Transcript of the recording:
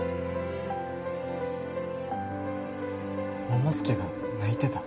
桃介が泣いてた？